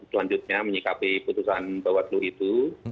selanjutnya menyikapi putusan bawaslu itu